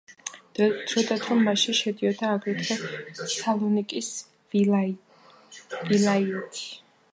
დროდადრო მასში შედიოდა, აგრეთვე, სალონიკის ვილაიეთი.